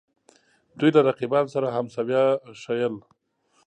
دوی له رقیبانو سره همسویه ښييل